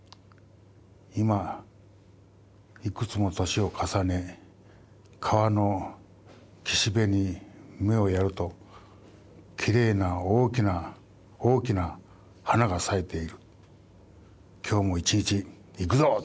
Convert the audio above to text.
今いくつも年を重ね川の岸辺に目をやるときれいな大きな大きな花が咲いている今日も一日いくぞ」。